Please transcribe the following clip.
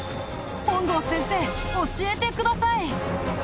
本郷先生教えてください！